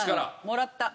もらった。